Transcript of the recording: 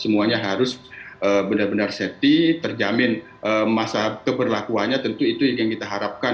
semuanya harus benar benar safety terjamin masa keberlakuannya tentu itu yang kita harapkan